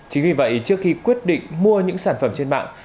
chính vì vậy trước khi quyết định mua những sản phẩm trên mạng